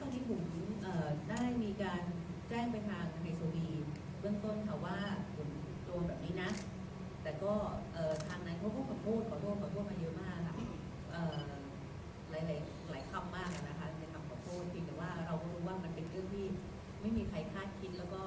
ถ้าตอนนี้ปุ๋มจะได้มีการแจ้งไปทางรายการแบบนี้นะแต่ก็เอ่อทางนั้น